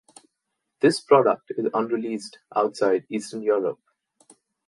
This product is unreleased outside of Eastern Europe.